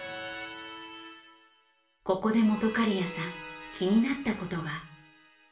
ここで本仮屋さん気になったことが。